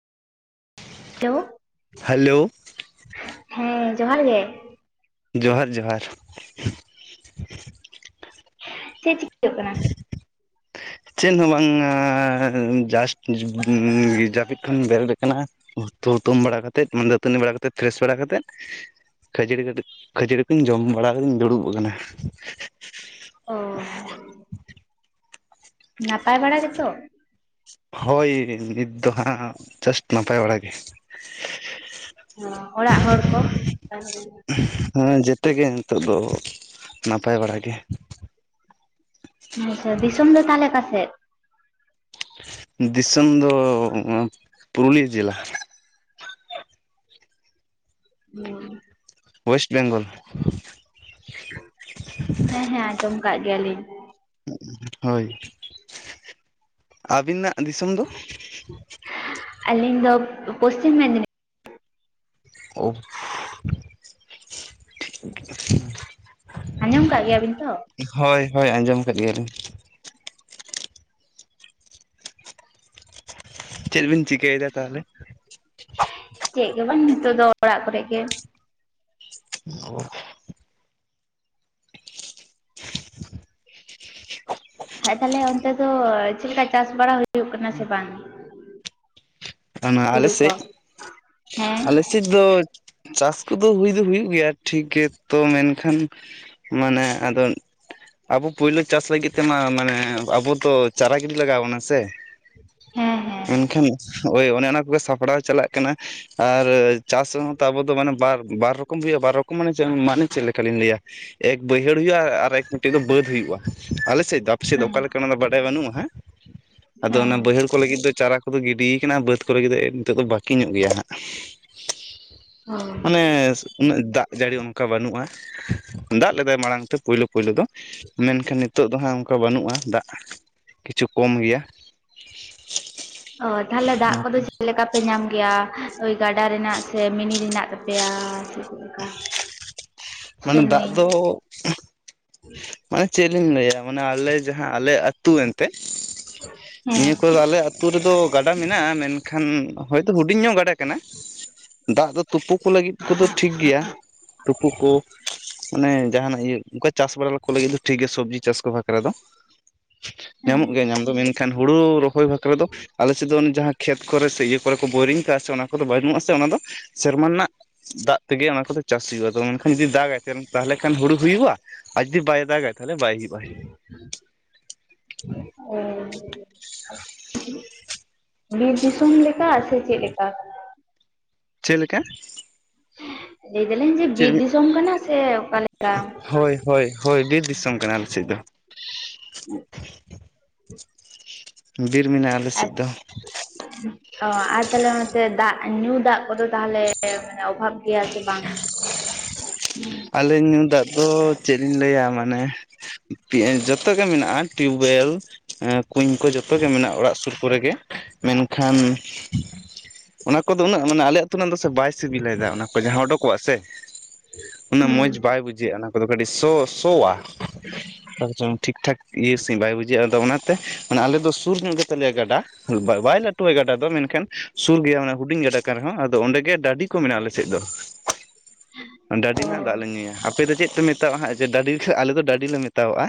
Hello, hello, ᱦᱮᱸ, ᱡᱚᱦᱟᱨ ᱜᱮ, ᱡᱚᱦᱟᱨ-ᱡᱚᱦᱟᱨ, [inaudible] [unintelligible] ᱪᱮᱫ ᱦᱚᱸ ᱵᱟᱝ ᱝᱟ, ᱡᱟᱥ ᱡᱩ ᱩᱸ ᱡᱟᱯᱤᱫ ᱠᱷᱩᱱᱤᱧ ᱵᱮᱨᱮᱫ ᱟᱠᱟᱱᱟ᱾ ᱩᱸᱣᱟ ᱛᱩ ᱛᱩᱢ ᱵᱟᱲᱟ ᱠᱟᱛᱮᱫ, ᱢᱟᱱ ᱫᱟᱹᱛᱟᱹᱱᱤ ᱵᱟᱲᱟ ᱠᱟᱛᱮᱫ, ᱯᱷᱨᱮᱥ ᱵᱟᱲᱟ ᱠᱟᱛᱮᱫ, ᱠᱷᱟᱹᱡᱟᱹᱲᱤ ᱠᱟᱹᱴᱤᱡ ᱠᱷᱟᱹᱡᱟᱹᱲᱤ ᱠᱩᱧ ᱡᱚᱢ ᱵᱟᱲᱟ ᱠᱟᱛᱮᱹᱧ ᱫᱩᱲᱩᱵ ᱟᱠᱟᱱᱟ ᱾ ᱚ, ᱱᱟᱯᱟᱭ ᱵᱟᱲᱟ ᱜᱮᱹᱛᱚ? ᱦᱳᱭ, ᱱᱤᱛ ᱫᱚ ᱦᱟᱸᱜ ᱡᱟᱥᱴ ᱱᱟᱯᱟᱭ ᱵᱟᱲᱟ ᱜᱮ ᱾ ᱦᱚᱸ ᱚᱲᱟᱜ ᱦᱚᱲ ᱠᱚ? [inaudible] ᱦᱩᱸ, ᱡᱮᱹᱛᱮᱹ ᱜᱮ ᱱᱤᱛᱳᱜ ᱫᱚ ᱱᱟᱯᱟᱭ ᱵᱟᱲᱟ ᱜᱮ ᱾ [inaudible] ᱫᱤᱥᱚᱢ ᱫᱚ ᱛᱟᱦᱞᱮ ᱚᱠᱟ ᱥᱮᱫ? ᱫᱤᱥᱚᱢ ᱫᱚ ᱩᱸ 'ᱯᱩᱨᱩᱞᱤᱭᱟᱹ' ᱡᱮᱞᱟ, ᱦᱩᱸ, 'ᱚᱭᱮᱥᱴ ᱵᱮᱝᱜᱚᱞ' ᱾ ᱦᱮᱸ-ᱦᱮᱸ, ᱟᱸᱡᱚᱢ ᱠᱟᱜ ᱜᱮᱹᱭᱟᱞᱤᱧ ᱾ ᱦᱳᱭ, ᱟᱵᱤᱱᱟᱜ ᱫᱤᱥᱚᱢ ᱫᱚ? ᱟᱞᱤᱧ ᱫᱚ 'ᱯᱚᱥᱪᱤᱢ ᱢᱮᱫᱽᱱᱤ' ᱳᱯ, ᱯᱷᱩ ᱟᱸᱡᱚᱢ ᱠᱟᱜ ᱜᱮᱹᱭᱟᱵᱤᱱ ᱛᱚ? ᱦᱳᱭᱻ ᱦᱳᱭᱻ ᱟᱸᱡᱚᱢ ᱠᱟᱜ ᱜᱮᱹᱭᱟᱞᱤᱧ ᱾ ᱦ [unintelligible] ᱪᱮᱹᱜ ᱵᱤᱱ ᱪᱤᱠᱟᱹᱭᱫᱟ ᱛᱟᱦᱞᱮ? ᱪᱮᱜ ᱜᱮ ᱵᱟᱝ ᱱᱤᱛᱚᱜ ᱫᱚ, ᱚᱲᱟᱜ ᱠᱚᱨᱮ ᱜᱮ ᱾ ᱜᱚ, ᱦᱟᱡ ᱛᱟᱞᱮ ᱚᱱᱛᱮ ᱫᱚ ᱪᱮᱜ ᱞᱮᱠᱟ, ᱪᱟᱥ ᱵᱟᱲᱟ ᱦᱩᱭᱩᱜ ᱠᱟᱱᱟ ᱥᱮ ᱵᱟᱝ? ᱟᱱᱟ ᱟᱞᱮ ᱦᱩᱲᱩ ᱥᱮᱡ? ᱠᱚ? ᱦᱮᱸ ᱟᱞᱮᱥᱮᱫ ᱫᱚ ᱪᱟᱥ ᱠᱚᱫᱚ ᱦᱩᱭ ᱫᱚ ᱦᱩᱭᱩᱜ ᱜᱮᱭᱟ ᱴᱷᱤᱠ ᱜᱮ ᱛᱚ ᱢᱮᱱᱠᱷᱟᱱ ᱢᱟᱱᱮ ᱟᱫᱚ ᱟᱵᱚ ᱯᱳᱭᱞᱳ ᱪᱟᱥ ᱞᱟᱹᱜᱤᱫ ᱛᱮᱢᱟ ᱢᱟᱱᱮ ᱟᱵᱚᱫᱚ ᱪᱟᱨᱟ ᱜᱤᱰᱤ ᱞᱟᱜᱟᱣᱚᱱᱟ ᱥᱮ᱾ ᱦᱮᱸ ᱦᱮᱸ ᱢᱮᱱᱠᱷᱟᱱ ᱚᱸᱭ ᱚᱱᱮ ᱚᱱᱟ ᱠᱚᱜᱮ ᱥᱟᱯᱲᱟᱣ ᱪᱟᱞᱟᱜ ᱠᱟᱱᱟ᱾ ᱟᱨ ᱪᱟᱥ ᱨᱮᱦᱚᱸ ᱛᱚ ᱟᱵᱚ ᱫᱚ ᱢᱟᱱᱮ ᱵᱟᱨ ᱵᱟᱨ ᱨᱚᱠᱚᱢ ᱦᱩᱭᱩᱜ-ᱟ, ᱵᱟᱨ ᱨᱚᱠᱚᱢ ᱢᱟᱱᱮ ᱢᱟᱱᱮ ᱪᱮᱫ ᱞᱮᱠᱟᱞᱤᱧ ᱞᱟᱹᱭ-ᱟ᱾ ᱮᱠ ᱵᱟᱹᱭᱦᱟᱹᱲ ᱦᱩᱭᱩᱜ-ᱟ ᱟᱨ ᱮᱠ ᱢᱤᱫᱴᱮᱡ ᱫᱚ ᱵᱟᱹᱫ ᱦᱩᱭᱩᱜ-ᱟ ᱟᱞᱮ ᱥᱮᱫ ᱫᱚ ᱟᱯᱮ ᱥᱮᱫ ᱫᱚ ᱦᱮᱸ ᱚᱠᱟ ᱞᱮᱠᱟ ᱚᱱᱟ ᱫᱚ ᱵᱟᱰᱟᱭ ᱵᱟᱹᱱᱩᱜ-ᱟ ᱦᱟᱜ᱾ ᱟᱫᱚ ᱦᱮᱸ ᱚᱱᱟ ᱵᱟᱹᱭᱦᱟᱹᱲ ᱠᱚ ᱞᱟᱹᱜᱤᱫ ᱫᱚ ᱪᱟᱨᱟ ᱠᱚᱫᱚ ᱜᱤᱰᱤ ᱠᱟᱱᱟ ᱵᱟᱹᱫᱽ ᱠᱚᱨᱮ ᱞᱟᱹᱜᱤᱫ ᱱᱤᱛᱳᱜ ᱫᱚ ᱵᱟᱹᱠᱤ ᱧᱚᱜ ᱜᱮᱭᱟ ᱦᱟᱜ᱾ [unintelligible] ᱚ ᱢᱟᱱᱮ ᱩᱱᱟᱹᱜ ᱫᱟᱜ ᱡᱟᱹᱲᱤ ᱚᱱᱠᱟ ᱵᱟᱹᱱᱩᱜ-ᱟ ᱫᱟᱜ ᱞᱮᱫᱟᱭ ᱢᱟᱲᱟᱝ ᱛᱮ ᱯᱳᱭᱞᱳ ᱯᱳᱭᱞᱳ ᱫᱚ᱾ ᱢᱮᱱᱠᱷᱟᱱ ᱱᱤᱛᱚᱜ ᱫᱚ ᱦᱟᱸᱜ ᱚᱱᱠᱟ ᱵᱟᱹᱱᱩᱜ-ᱟ ᱫᱟᱜ ᱠᱤᱪᱷᱩ ᱠᱚᱢ ᱜᱮᱭᱟ᱾ ᱚ ᱛᱟᱦᱞᱮ ᱫᱟᱜ ᱚᱱᱟᱛᱮ ᱠᱚᱫᱚ ᱪᱮᱫ ᱞᱮᱠᱟ ᱯᱮ ᱧᱟᱢ ᱜᱮᱭᱟ ᱳᱭ ᱜᱟᱰᱟ ᱨᱮᱱᱟᱜ ᱥᱮ ᱢᱤᱱᱤ ᱨᱮᱱᱟᱜ ᱛᱟᱯᱮᱭᱟ ᱥᱮ? ᱞᱮᱠᱟ ᱥᱮ ᱢᱟᱱᱮ ᱫᱟᱜ ᱱᱟᱹᱭ ᱫᱚ ᱢᱟᱱᱮ ᱪᱮᱫ ᱞᱤᱧ ᱞᱟᱹᱭᱟ ᱢᱟᱱᱮ ᱟᱞᱮ ᱡᱟᱦᱟᱸ ᱟᱞᱮ ᱟᱹᱛᱩ ᱮᱱᱛᱮᱫ ᱦᱮᱸ ᱱᱤᱭᱟᱹ ᱠᱚᱫᱚ ᱟᱞᱮ ᱟᱹᱛᱩ ᱨᱮᱫᱚ ᱜᱟᱰᱟ ᱢᱮᱱᱟᱜ-ᱟ ᱢᱮᱱᱠᱷᱟᱱ ᱦᱚᱭᱛᱳ ᱦᱩᱰᱤᱧ ᱧᱚᱜ ᱜᱟᱰᱟ ᱠᱟᱱᱟ᱾ ᱫᱟᱜ ᱫᱚ ᱛᱩᱯᱩ ᱠᱚ ᱞᱟᱹᱜᱤᱫ ᱠᱚᱫᱚ ᱴᱷᱤᱠ ᱜᱮᱭᱟ ᱛᱩᱯᱩ ᱠᱚ᱾ ᱢᱟᱱᱮ ᱡᱟᱦᱟᱱᱟᱜ ᱤᱭᱟᱹ ᱚᱱᱠᱟ ᱪᱟᱥ ᱵᱟᱲᱟ ᱠᱚ ᱞᱟᱹᱜᱤᱫ ᱫᱚ ᱴᱷᱤᱠ ᱜᱮᱭᱟ ᱥᱚᱵᱽᱡᱤ ᱪᱟᱥ ᱠᱚ ᱵᱟᱠᱷᱨᱟ ᱫᱚ᱾ ᱦᱮᱸ ᱧᱟᱢᱚᱜ ᱜᱮᱭᱟ ᱧᱟᱢ ᱫᱚ ᱢᱮᱱᱠᱷᱟᱱ ᱦᱩᱲᱩ ᱨᱚᱦᱚᱭ ᱵᱟᱠᱷᱨᱟ ᱫᱚ ᱟᱞᱮ ᱥᱮᱫ ᱫᱚ ᱚᱱᱮ ᱡᱟᱦᱟᱸ ᱠᱷᱮᱛ ᱠᱚᱨᱮ ᱥᱮ ᱤᱭᱟᱹ ᱠᱚᱨᱮ ᱠᱚ ᱵᱳᱭᱨᱤᱝ ᱠᱟᱜ-ᱟ ᱥᱮ ᱚᱱᱟ ᱠᱚᱫᱚ ᱵᱟᱹᱱᱩᱜᱩᱜ-ᱟ ᱥᱮ ᱚᱱᱟ ᱫᱚ ᱥᱮᱨᱢᱟ ᱨᱮᱱᱟᱜ ᱫᱟᱜ ᱛᱮᱜᱮ ᱚᱱᱟ ᱠᱚᱫᱚ ᱪᱟᱥ ᱦᱩᱭᱩᱜ-ᱟ ᱟ ᱢᱮᱱᱠᱷᱟᱱ ᱡᱩᱫᱤ ᱫᱟᱜᱟᱭ ᱛᱟ ᱛᱟᱦᱚᱞᱮ ᱠᱷᱟᱱ ᱦᱩᱲᱩ ᱦᱩᱭᱩᱜ-ᱟ ᱟᱨ ᱡᱩᱫᱤ ᱵᱟᱭ ᱫᱟᱜᱟᱭ ᱛᱟᱦᱞᱮ ᱵᱟᱭ ᱦᱩᱭᱩᱜ-ᱟᱭ᱾ [inaudible] ᱚ ᱵᱤᱨ ᱫᱤᱥᱚᱢ ᱞᱮᱠᱟ ᱥᱮ ᱪᱮᱫ ᱞᱮᱠᱟ? ᱪᱮᱫ ᱞᱮᱠᱟ? ᱞᱟᱹᱭ ᱫᱟᱞᱤᱧ ᱡᱮ ᱵᱤᱨ ᱪᱮᱫ ᱫᱤᱥᱚᱢ ᱠᱟᱱᱟ ᱥᱮ ᱚᱠᱟ ᱞᱮᱠᱟ? ᱦᱳᱭ ᱦᱳᱭ ᱦᱳᱭ ᱵᱤᱨ ᱫᱤᱥᱚᱢ ᱠᱟᱱᱟ ᱟᱞᱮ ᱥᱮᱫ ᱫᱚ᱾ ᱵᱤᱨ ᱢᱮᱱᱟᱜ-ᱟ ᱟᱞᱮ ᱟᱨ ᱥᱮᱫ ᱫᱚ᱾ ᱚ ᱟᱨ ᱛᱟᱦᱞᱮ ᱚᱱᱛᱮ ᱫᱟᱜ ᱧᱩ ᱫᱟᱜ ᱠᱚᱫᱚ ᱛᱟᱦᱚᱞᱮ ᱢᱟᱱᱮ ᱚᱵᱷᱟᱵᱽ ᱜᱮᱭᱟ ᱥᱮ ᱵᱟᱝ? [unintelligible] ᱟᱞᱮ ᱧᱩ ᱫᱟᱜ ᱫᱚ ᱪᱮᱫ ᱞᱤᱧ ᱞᱟᱹᱭᱟ ᱢᱟᱱᱮ ᱡᱚᱛᱚ ᱜᱮ ᱢᱮᱱᱟᱜ-ᱟ ᱴᱤᱭᱩᱵᱚᱭᱮᱞ, ᱮ ᱠᱩᱧ ᱠᱚ ᱡᱚᱛᱚ ᱜᱮ ᱢᱮᱱᱟᱜ-ᱟ ᱚᱲᱟᱜ ᱥᱩᱨ ᱠᱚᱨᱮ ᱜᱮ᱾ ᱢᱮᱱᱠᱷᱟᱱ ᱚᱱᱟ ᱠᱚᱫᱚ ᱩᱱᱟᱹᱜ ᱢᱟᱱᱮ ᱟᱞᱮᱭᱟᱜ ᱛᱩᱱᱟᱹᱜ ᱫᱚ ᱥᱮ ᱵᱟᱭ ᱥᱤᱵᱤᱞᱟᱭ ᱫᱟᱜ ᱚᱱᱟ ᱠᱚ ᱡᱟᱦᱟᱸ ᱚᱰᱚᱠᱚᱜ-ᱟ ᱥᱮ᱾ ᱩᱱᱟᱹᱜ ᱦᱩᱸ ᱢᱚᱸᱡᱽ ᱵᱟᱭ ᱵᱩᱡᱷᱟᱹᱜ-ᱟ ᱚᱱᱟ ᱠᱚᱫᱚ ᱠᱟᱹᱴᱤᱡ ᱥᱚ ᱥᱚᱣᱟ᱾ [unintelligible] ᱴᱷᱤᱠ ᱴᱷᱟᱠ ᱤᱭᱟᱹ ᱥᱮ ᱵᱟᱭ ᱵᱩᱡᱷᱟᱹᱜ-ᱟ ᱟᱫᱚ ᱚᱱᱟᱛᱮ ᱢᱟᱱᱮ ᱟᱞᱮ ᱫᱚ ᱥᱩᱨ ᱧᱚᱜ ᱜᱮᱛᱟ ᱞᱮᱭᱟ ᱜᱟᱰᱟ᱾ ᱵᱟᱭ ᱵᱟᱭ ᱞᱟᱹᱴᱩᱣᱟᱭ ᱜᱟᱰᱟ ᱫᱚ ᱢᱮᱱᱠᱷᱟᱱ ᱥᱩᱨ ᱜᱮᱭᱟ ᱢᱟᱱᱮ ᱦᱩᱰᱤᱧ ᱜᱟᱰᱟ ᱠᱟᱱ ᱨᱮᱦᱚᱸ ᱟᱫᱚ ᱚᱸᱰᱮ ᱜᱮ ᱰᱟᱹᱰᱤ ᱠᱚ ᱢᱮᱱᱟᱜ-ᱟ ᱟᱞᱮᱥᱮᱫ ᱫᱚ᱾ ᱰᱟᱹᱰᱤ ᱨᱮᱱᱟᱜ ᱚ ᱫᱟᱜ ᱞᱮ ᱧᱩᱭᱟ ᱟᱯᱮ ᱫᱚ ᱪᱮᱫ ᱯᱮ ᱢᱮᱛᱟᱣᱟᱜ-ᱟ ᱦᱟᱸᱜ? ᱡᱮ ᱰᱟᱹᱰᱤ ᱦᱟᱜ ᱟᱞᱮ ᱫᱚ ᱰᱟᱹᱰᱤ ᱞᱮ ᱢᱮᱛᱟᱣᱟᱜ-ᱟ᱾